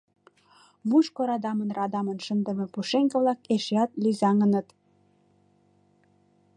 Мучко радамын-радамын шындыме пушеҥге-влак эшеат лӧзаҥыныт.